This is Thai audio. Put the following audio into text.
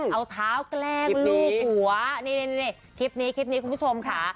เอาเท้าแกล้งลูบหัวนี่คลิปนี้คลิปนี้คุณผู้ชมค่ะ